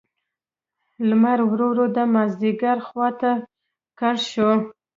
لمر ورو ورو د مازیګر خوا ته کږ شو.